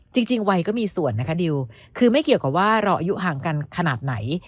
จริงวัยก็มีส่วนนะคะดิวคือไม่เกี่ยวกับว่าเราอายุห่างกันขนาดไหน